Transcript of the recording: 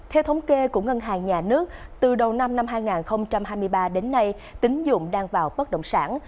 theo thống kê của ngân hàng nhà nước từ đầu năm hai nghìn hai mươi ba đến nay tính dụng đang vào bất động sản